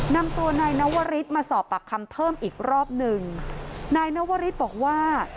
นำตัวนายนวริสมาสอบปากคำเพิ่มอีกรอบหนึ่งนายนวริสบอกว่า